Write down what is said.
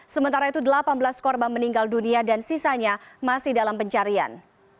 sementara itu delapan belas korban meninggal dunia dan sisanya masih dalam pencarian